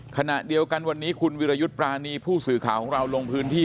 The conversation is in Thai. ขณะเดียวกันวันนี้คุณวิรยุทธ์ปรานีผู้สื่อข่าวของเราลงพื้นที่